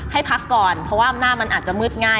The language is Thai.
ให้พักก่อนเพราะว่าหน้ามันอาจจะมืดง่าย